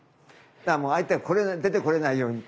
だから相手が出て来れないように。